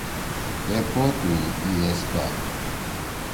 اے پوت می ای ایس پأد۔